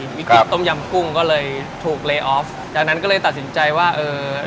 ครับวิกฤตต้มยำกุ้งก็เลยถูกจากนั้นก็เลยตัดสินใจว่าเออ